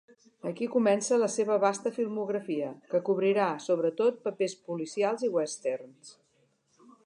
Aquí comença la seva vasta filmografia, que cobrirà sobretot papers policials i westerns.